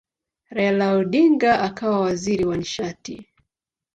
Raila Odinga akawa waziri wa nishati.